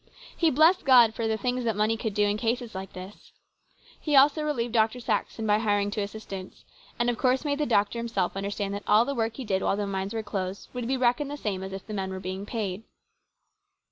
He blessed God for the things that money could do in cases like this. He also relieved Dr. Saxon by hiring two assistants, and of course made the doctor himself understand that all the work he did while the mines were closed would be reckoned the same as if the men were being paid.